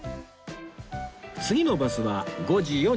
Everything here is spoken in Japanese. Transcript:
次のバスは５時４５分